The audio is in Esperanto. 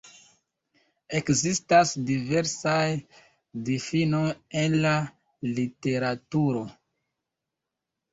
Ekzistas diversaj difinoj en la literaturo.